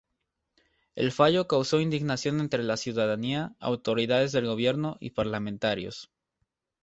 El fallo causó indignación entre la ciudadanía, autoridades del gobierno y parlamentarios.